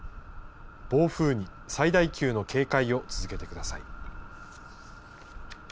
暴風に最大級の警戒を続けてください。